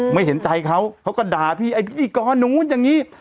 ไม่เห็นใจเขาเขาก็ด่าพี่ไอ้พิธีกรนู้นอย่างนี้